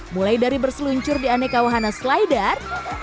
mulai dari berseluncur di aneka wahana slider